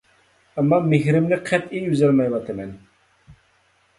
ئەمما مېھرىمنى قەتئىي ئۈزەلمەيۋاتىمەن.